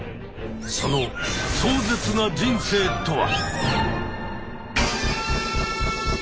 その壮絶な人生とは？